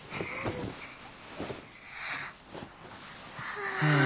はあ。